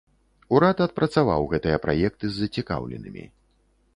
Урад адпрацаваў гэтыя праекты з зацікаўленымі.